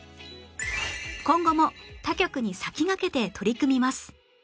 今後も他局に先駆けて取り組みます！